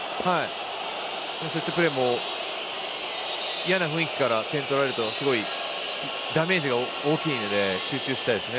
セットプレーも嫌な雰囲気から点を取られるとすごい、ダメージが大きいので集中したいですね。